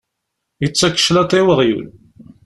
Yettak cclaḍa i uɣyul.